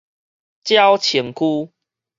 鳥松區